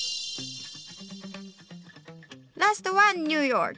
ラストはニューヨーク。